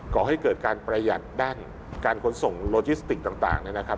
ก่อให้เกิดการประหยัดด้านการขนส่งโลจิสติกต่างนะครับ